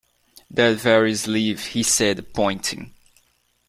"That very sleeve," he said, pointing.